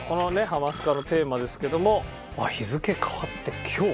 『ハマスカのテーマ』ですけども日付変わって今日。